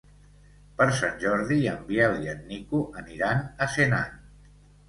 Per Sant Jordi en Biel i en Nico aniran a Senan.